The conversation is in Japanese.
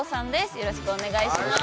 よろしくお願いします。